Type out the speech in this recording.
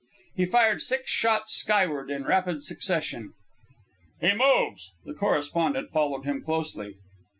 He fired six shots skyward in rapid succession. "He moves!" The correspondent followed him closely.